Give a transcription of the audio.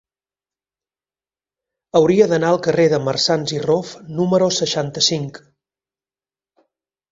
Hauria d'anar al carrer de Marsans i Rof número seixanta-cinc.